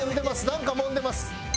なんかもんでます。